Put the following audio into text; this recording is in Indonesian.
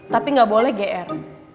tapi gak boleh gr